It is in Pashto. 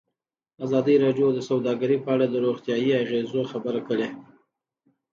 ازادي راډیو د سوداګري په اړه د روغتیایي اغېزو خبره کړې.